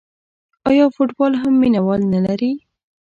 آیا فوتبال هم مینه وال نلري؟